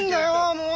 もう。